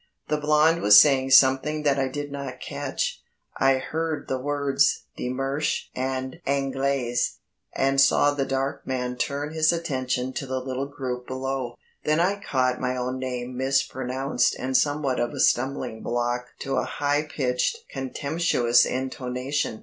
The blond was saying something that I did not catch. I heard the words "de Mersch" and "Anglaise," and saw the dark man turn his attention to the little group below. Then I caught my own name mispronounced and somewhat of a stumbling block to a high pitched contemptuous intonation.